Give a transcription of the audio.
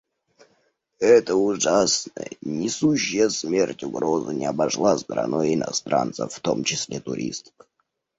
Эта ужасная, несущая смерть угроза не обошла стороной и иностранцев, в том числе туристов.